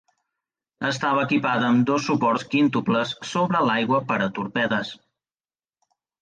Estava equipada amb dos suports quíntuples sobre l'aigua per a torpedes.